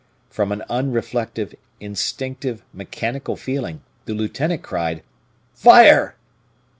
From an unreflective, instinctive, mechanical feeling, the lieutenant cried: "Fire!"